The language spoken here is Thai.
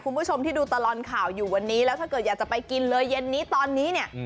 คุณผู้ชมที่ดูตลอดข่าวอยู่วันนี้แล้วถ้าเกิดอยากจะไปกินเลยเย็นนี้ตอนนี้เนี่ย